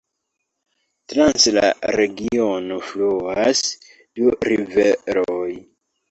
Trans la regiono fluas du riveroj.